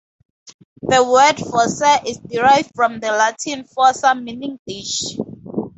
The word "Fosse" is derived from the Latin "fossa", meaning "ditch".